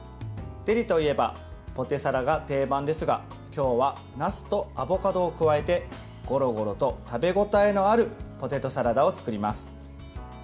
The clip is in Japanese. デリといえばポテサラが定番ですが今日は、なすとアボカドを加えてごろごろと食べ応えのあるポテトサラダを作ります。